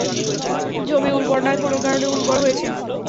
জমি উর্বর নয়, কোনো কারণে উর্বর হয়েছে।